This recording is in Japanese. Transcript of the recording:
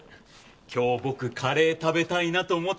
今日僕カレー食べたいなと思ってたんです。